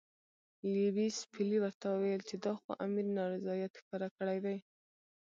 لیویس پیلي ورته وویل چې دا خو امیر نارضاییت ښکاره کړی دی.